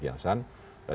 tidak usah lah